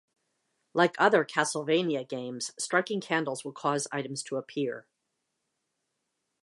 Like other "Castlevania" games, striking candles will cause items to appear.